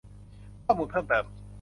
ข้อมูลเพิ่มเติม